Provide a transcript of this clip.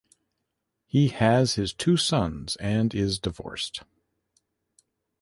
He has his two sons and is divorced.